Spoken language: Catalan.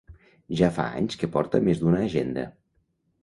Ja fa anys que porta més d'una agenda.